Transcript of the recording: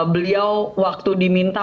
beliau waktu diminta